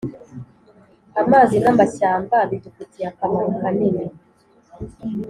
amazi n’amashyamba bidufitiye akamaro kanini,